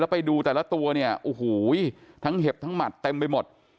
ไปดูแต่ละตัวเนี่ยโอ้โหทั้งเห็บทั้งหมัดเต็มไปหมด